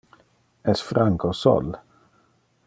Es Franco sol?